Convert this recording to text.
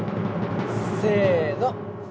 せの！